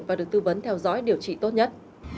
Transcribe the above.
và được tư vấn theo dõi điều trị tốt nhất